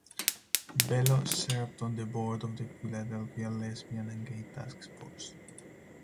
Bello served on the board of the Philadelphia Lesbian and Gay Task Force.